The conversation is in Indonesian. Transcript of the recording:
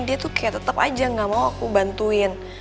dia tuh kayak tetap aja gak mau aku bantuin